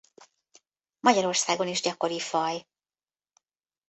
Magyarországon is gyakori faj.